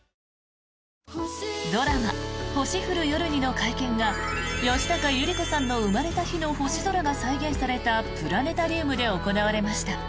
ドラマ「星降る夜に」の会見が吉高由里子さんの生まれた日の星空が再現されたプラネタリウムで行われました。